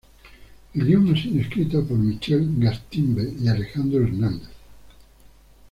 El guion ha sido escrito por Michel Gaztambide y Alejandro Hernández.